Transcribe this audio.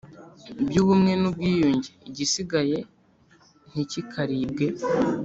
byubumwe nubwiyunge igisigaye ntikikaribwe